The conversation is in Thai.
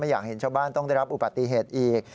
อยากเห็นชาวบ้านต้องได้รับอุบัติเหตุอีก